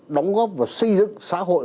đóng góp và xây dựng xã hội